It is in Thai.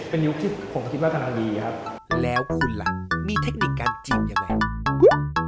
เป็นยุคที่ผมคิดว่ากำลังดีครับ